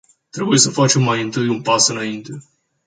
Trebuie să facem mai întâi acest pas înainte.